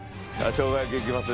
しょうが焼きいきます？